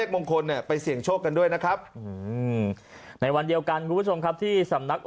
มงคลเนี่ยไปเสี่ยงโชคกันด้วยนะครับในวันเดียวกันคุณผู้ชมครับที่สำนัก